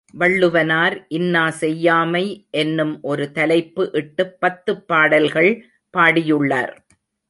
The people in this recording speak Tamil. வள்ளுவனார் இன்னா செய்யாமை என்னும் ஒரு தலைப்பு இட்டுப் பத்துப் பாடல்கள் பாடியுள்ளார்.